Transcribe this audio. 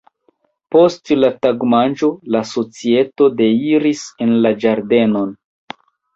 Post la tagmanĝo la societo deiris en la ĝardenon.